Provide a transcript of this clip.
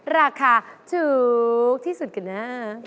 ราคาถูกที่สุดกันนะ